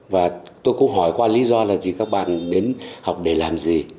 và tôi cũng hỏi qua lý do là gì các bạn đến học để làm gì